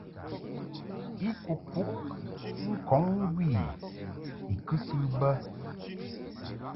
I kɨ kuʼ ŋkɔŋ ŋgwi I kɨsɨ bə.